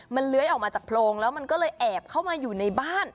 มันเลื้อยออกมาจากโพรงแล้วมันก็เลยแอบเข้ามาอยู่ในบ้าน